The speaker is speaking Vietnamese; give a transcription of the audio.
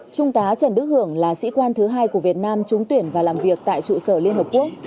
trung tá trần đức hưởng là sĩ quan thứ hai của việt nam trúng tuyển và làm việc tại trụ sở liên hợp quốc